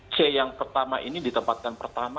c yang pertama ini ditempatkan pertama